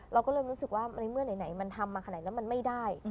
เราก็เลยรู้สึกว่าในเมื่อไหนมันทำมาขนาดไหนแล้วมันไม่ได้